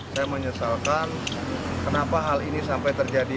saya menyesalkan kenapa hal ini sampai terjadi